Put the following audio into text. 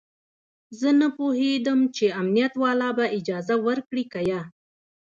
زه نه پوهېدم چې امنيت والا به اجازه ورکړي که يه.